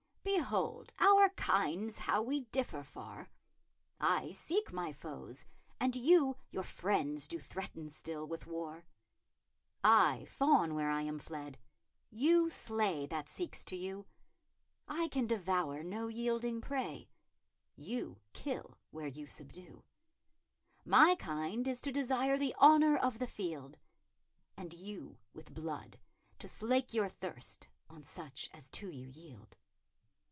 Behold our kyndes how that we differ farre; I seke my foes, and you your frendes do threten still with warre. I fawne where I am fled; you slay that sekes to you; I can devour no yelding pray; you kill where you subdue. My kinde is to desire the honoure of the field, And you with bloode to slake your thirst on such as to you yeld.